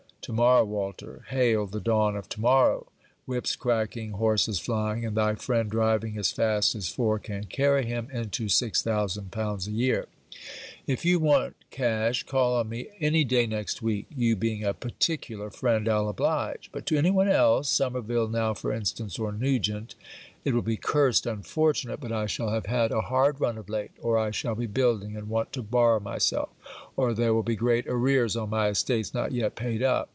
To morrow! Walter! Hail the dawn of to morrow! Whips cracking, horses flying, and thy friend driving as fast as four can carry him into 6000l. a year! If you want cash, call on me any day next week. You, being a particular friend, I'll oblige. But to any one else Somerville now for instance or Nugent 'It will be curst unfortunate, but I shall have had a hard run of late or, I shall be building, and want to borrow myself or, there will be great arrears on my estates not yet paid up.'